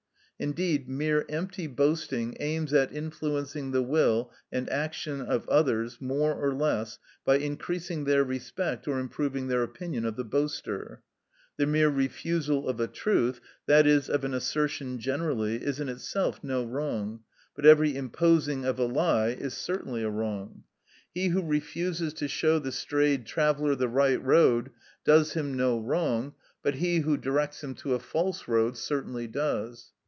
Indeed, mere empty boasting aims at influencing the will and action of others more or less, by increasing their respect or improving their opinion of the boaster. The mere refusal of a truth, i.e., of an assertion generally, is in itself no wrong, but every imposing of a lie is certainly a wrong. He who refuses to show the strayed traveller the right road does him no wrong, but he who directs him to a false road certainly does.